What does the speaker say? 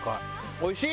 おいしい！